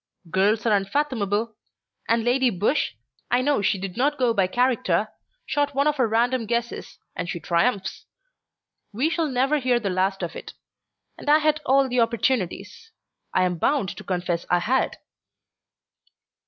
"Girls are unfathomable! And Lady Busshe I know she did not go by character shot one of her random guesses, and she triumphs. We shall never hear the last of it. And I had all the opportunities. I'm bound to confess I had."